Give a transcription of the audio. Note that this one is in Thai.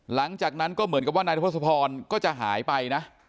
หลังจากนั้นก็เหมือนกับว่านายทศพรก็จะหายไปนะ